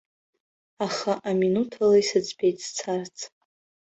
Аха аминуҭ ала исыӡбеит сцарц.